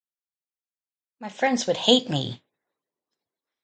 My friends would hate me.